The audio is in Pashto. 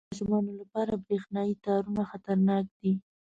• د ماشومانو لپاره برېښنايي تارونه خطرناک دي.